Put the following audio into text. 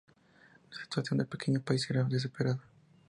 La situación del pequeño país era desesperada.